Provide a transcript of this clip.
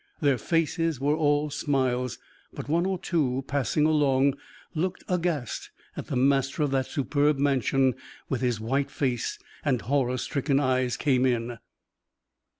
Their faces were all smiles; but one or two, passing along, looked aghast as the master of that superb mansion, with his white face and horror stricken eyes, came in.